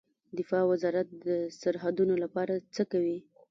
دفاع وزارت د سرحدونو لپاره څه کوي؟